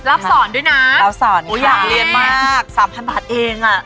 รับสอนด้วยนะรับสอนค่ะอยากเรียนมาก๓๐๐๐บาทเองอ่ะ